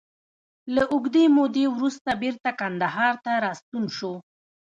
له اوږدې مودې وروسته بېرته کندهار ته راستون شو.